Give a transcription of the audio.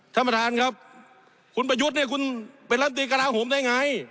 ท่านประธานครับคุณประยุทธ์เนี่ยคุณเป็นรัฐตรีกระลาโหมได้ไง